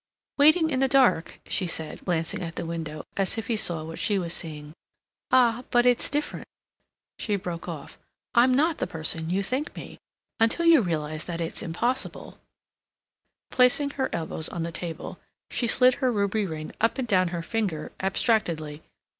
"Waiting in the dark," she said, glancing at the window, as if he saw what she was seeing. "Ah, but it's different—" She broke off. "I'm not the person you think me. Until you realize that it's impossible—" Placing her elbows on the table, she slid her ruby ring up and down her finger abstractedly.